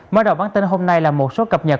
mới đầu bản tin hôm nay là một số cập nhật